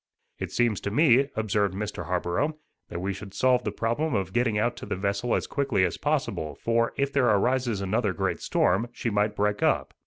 "It seems to me," observed Mr. Harborough, "that we should solve the problem of getting out to the vessel as quickly as possible; for, if there arises another great storm, she might break up."